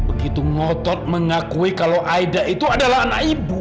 begitu ngotot mengakui kalau aida itu adalah anak ibu